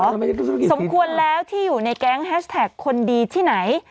สมควรแล้วที่อยู่ในแก๊งแฮชแท็กคนดีที่ไหน